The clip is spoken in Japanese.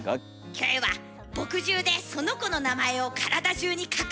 キョエは墨汁でその子の名前を体じゅうに書く！